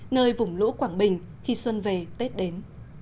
nơi vùng lũ quảng bình khi xuân về tết đến